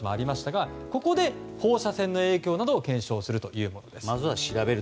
ここで放射線の影響などを検証するということです。